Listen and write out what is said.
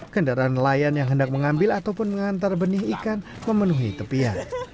kendaraan nelayan yang hendak mengambil ataupun mengantar benih ikan memenuhi tepian